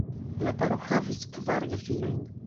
La paro havis kvar gefilojn.